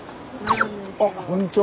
あっこんにちは。